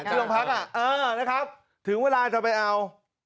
เออนะครับถึงเวลาจะไปเอา